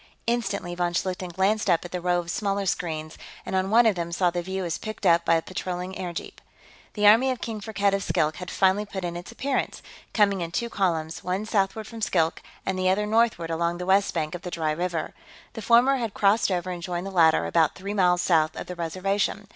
Instantly, von Schlichten glanced up at the row of smaller screens, and on one of them saw the view as picked up by a patrolling airjeep. The army of King Firkked of Skilk had finally put in its appearance, coming in two columns, one southward from Skilk and the other northward along the west bank of the dry river. The former had crossed over and joined the latter, about three miles south of the Reservation.